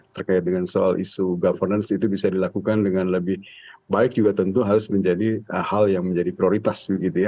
terkait dengan soal isu governance itu bisa dilakukan dengan lebih baik juga tentu harus menjadi hal yang menjadi prioritas